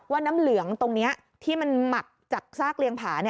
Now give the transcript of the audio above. น้ำเหลืองตรงนี้ที่มันหมักจากซากเลี้ยงผา